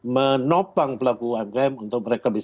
menopang pelaku umkm untuk mereka bisa